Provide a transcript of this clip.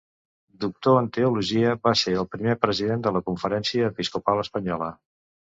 Doctor en Teologia, va ser el primer President de la Conferència Episcopal Espanyola.